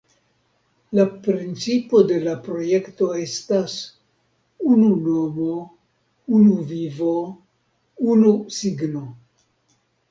La principo de la projekto estas “Unu nomo, unu vivo, unu signo”.